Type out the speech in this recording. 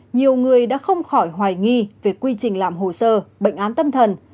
nhiều người đã không khỏi hoài nghi về quy trình làm hồ sơ bệnh án tâm thần